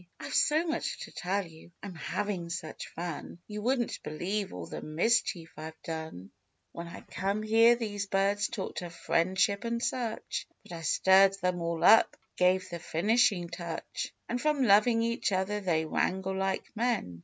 "I've so much to tell you ; I'm having such fun ! You wouldn't believe all the mischief I've done. THE OLD MAGPIE. 107 When I came here, these birds talked of friend ship, and such, But I stirred them all up ; gave the finishing touch ; And from loving each other, they wrangle like men